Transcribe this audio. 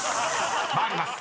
［参ります。